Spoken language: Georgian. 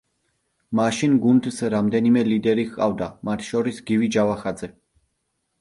მაშინ გუნდს რამდენიმე ლიდერი ჰყავდა, მათ შორის გივი ჯავახაძე.